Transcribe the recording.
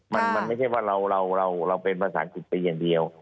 มันไม่ใช่ว่าเราเป็นภาษาอังกฤษไปอย่างเดียว